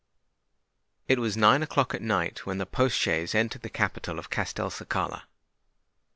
It was nine o'clock at night when the post chaise entered the capital of Castelcicala.